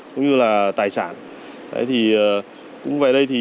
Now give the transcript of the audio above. cũng như là tài sản